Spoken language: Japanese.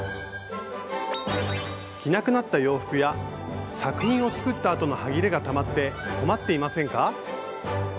着なくなった洋服や作品を作ったあとのはぎれがたまって困っていませんか？